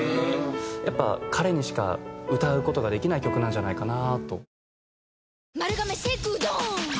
やっぱ彼にしか歌う事ができない曲なんじゃないかなと。